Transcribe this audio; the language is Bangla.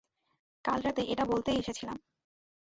কাল রাতে এটা বলতেই এসেছিলাম।